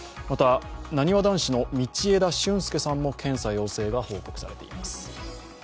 また、なにわ男子の道枝駿佑さんも検査陽性が報告されています。